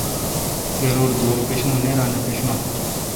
گرور دور پشوں، نییرا نہ پݭوں۔